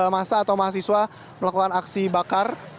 masa atau mahasiswa melakukan aksi bakar